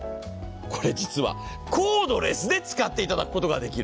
これ、実はコードレスで使っていただくことができる。